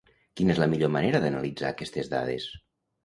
Quina és la millor manera d'analitzar aquestes dades?